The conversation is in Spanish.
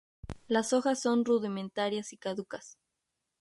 Las hojas son rudimentarias y caducas.